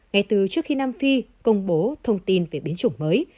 ngay từ trước khi nam phi công bố thông tin về biến chủng mới